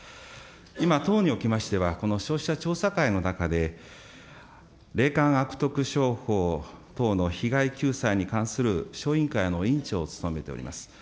今、党におきましては、この消費者調査会の中で、霊感悪徳商法等の被害救済に関する小委員会の委員長を務めております。